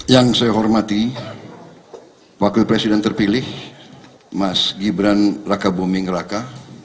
yang saya hormati wakil presiden terpilih mas gibran raka buming raka